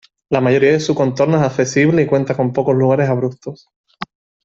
La mayoría de su contorno es accesible y cuenta con pocos lugares abruptos.